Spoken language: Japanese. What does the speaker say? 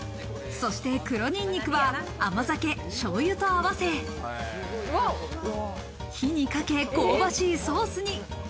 そして黒にんにくは甘酒、醤油と合わせ火にかけ、香ばしいソースに。